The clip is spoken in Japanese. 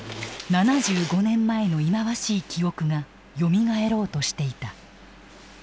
７５年前の忌まわしい記憶がよみがえろうとしていた。